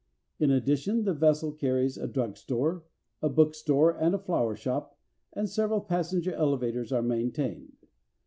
In addition the vessel carries a drug store, a book store, and a flower shop, and several passenger elevators are maintained.